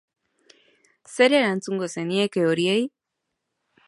Zer erantzungo zenieke horiei?